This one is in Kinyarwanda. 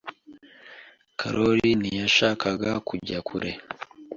Karoli ntiyashakaga kujya kure.